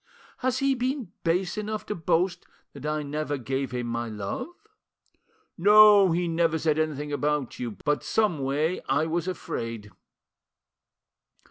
Has he been base enough to boast that I ever gave him my love?" "No, he never said anything about you; but someway I was afraid."